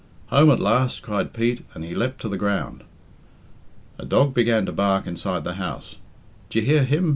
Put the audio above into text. "Home at last," cried Pete, and he leapt to the ground. A dog began to bark inside the house. "D'ye hear him?"